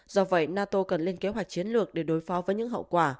do vậy nato cần lên kế hoạch chiến lược để đối phó với những hậu quả